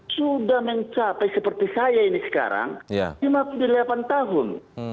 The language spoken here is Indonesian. sudah mencapai seperti saya ini sekarang lima puluh delapan tahun